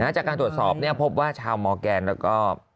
จากการตรวจสอบพบว่าชาวมอร์แกนแล้วก็